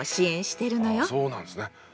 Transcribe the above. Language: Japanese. あそうなんですね。